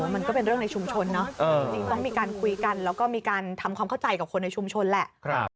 มันก็เป็นเรื่องในชุมชนเนอะจริงต้องมีการคุยกันแล้วก็มีการทำความเข้าใจกับคนในชุมชนแหละ